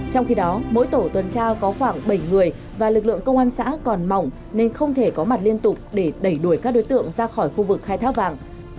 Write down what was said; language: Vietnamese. trong khi đó mỗi tổ tuần tra có khoảng bảy người và lực lượng công an xã còn mỏng nên không thể có mặt liên tục để đẩy đuổi các đối tượng ra khỏi khu vực khai thác vàng